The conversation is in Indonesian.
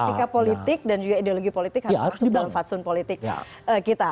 etika politik dan juga ideologi politik harus masuk dalam fatsun politik kita